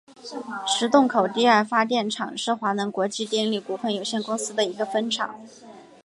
石洞口第二发电厂是华能国际电力股份有限公司的一个分厂。